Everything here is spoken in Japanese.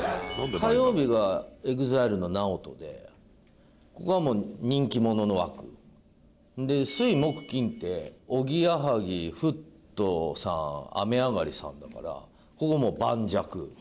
火曜日がＥＸＩＬＥのＮＡＯＴＯでここはもう水木金っておぎやはぎフットさん雨上がりさんだからここはもう盤石。